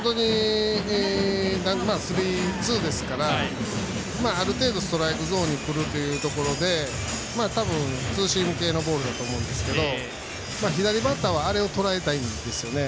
スリーツーですからある程度、ストライクゾーンにくるというところで、多分ツーシーム系のボールだと思うんですが左バッターはあれをとらえたいんですよね。